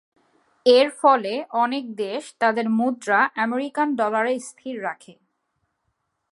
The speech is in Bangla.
এর ফলে অনেক দেশ তাদের মুদ্রা আমেরিকান ডলারে স্থির রাখে।